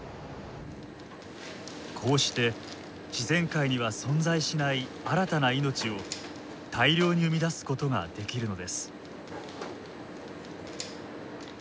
こうして自然界には存在しない新たな命を大量に生み出すことができるのです。